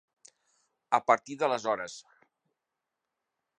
A partir d'aleshores.